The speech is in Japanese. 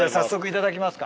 いただきます。